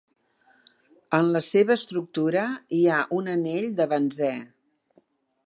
En la seva estructura hi ha un anell de benzè.